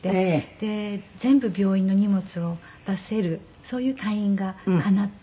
で全部病院の荷物を出せるそういう退院がかなって。